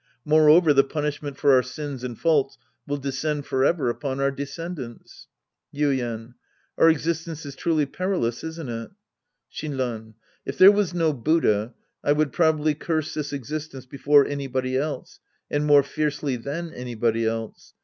Moreover, the punishment for our sins and faults will descend forever upon our de scendants. Yuien. Our existence is truly perilous, isn't it ? Shinran. If there was no Buddha, I would pro bably curse this existence before anybody else and more fiercely than anybody else.